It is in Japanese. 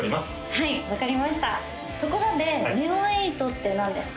はい分かりましたところでＮＥＯ８って何ですか？